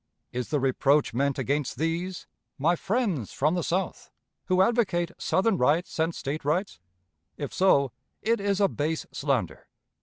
Is the reproach meant against these, my friends from the South, who advocate Southern rights and State rights? If so, it is a base slander.